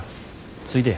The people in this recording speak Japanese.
ついでや。